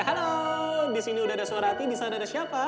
halo disini udah ada suara hati disana ada siapa